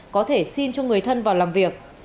có thể xin cho người thân vào làm việc